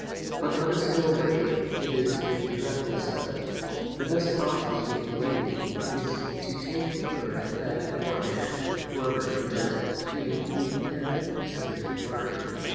But let us go away; it is a dreadful sight! The best office we can do is to take care that the poor man, whoever he is, may be decently buried."